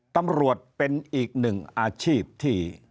ตำรวจเป็นอีกหนึ่งอาชีพที่